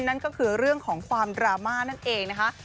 นั่นก็คือเรื่องของความดราม่านั่นเองนะคะ